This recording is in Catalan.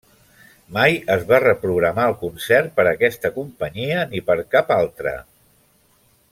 Mai es va reprogramar el concert per aquesta companyia ni per cap altra.